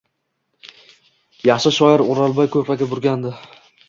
Yaxshi shoir O’rolboy ko‘rpaga burkandi.